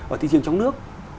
ở thị trường trong nước